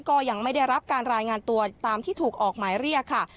ก็ยังไม่ได้รับการรายงานตัวตามที่ถูกออกหมายเรียกค่ะ